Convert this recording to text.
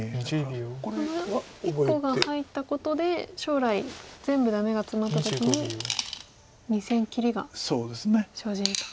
この１個が入ったことで将来全部ダメがツマった時に２線切りが生じると。